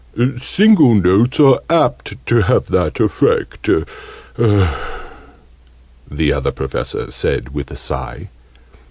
"Single notes are apt to have that effect," the Other Professor said with a sigh.